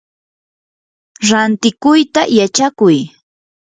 rantikuyta yachakuy.